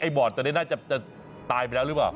ไอ้บ่อเลี้ยงน่าจะตายไปแล้วหรือเปล่า